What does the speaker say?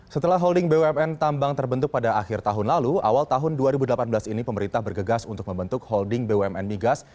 setelah holding bumn tambang terbentuk pada akhir tahun lalu awal tahun dua ribu delapan belas ini pemerintah bergegas untuk membentuk holding bumn migas